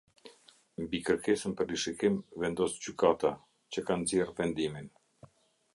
Mbi kërkesën për rishikim vendos gjykata, që ka nxjerrë vendimin.